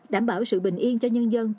đảm bảo sự bình yên cho nhân dân